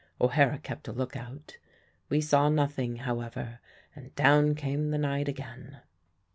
O'Hara kept a look out. We saw nothing, however, and down came the night again.